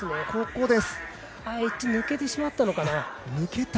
エッジが抜けてしまったのかな。